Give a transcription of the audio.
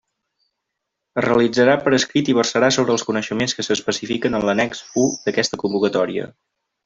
Es realitzarà per escrit i versarà sobre els coneixements que s'especifiquen en l'annex u d'aquesta convocatòria.